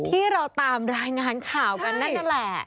ที่เราตามรายงานข่าวกันนั่นนั่นแหละ